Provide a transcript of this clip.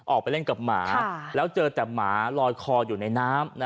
ออกไปเล่นกับหมาแล้วเจอแต่หมาลอยคออยู่ในน้ำ